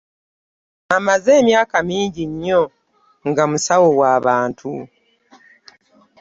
Amaze emyaka mingi nnyo nga musawo wa bantu.